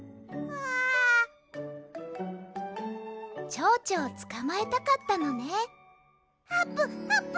チョウチョをつかまえたかったのねあぷあぷ！